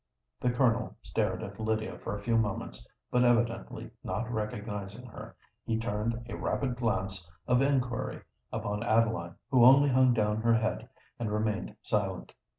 The Colonel stared at Lydia for a few moments: but evidently not recognising her, he turned a rapid glance of inquiry upon Adeline, who only hung down her head, and remained silent.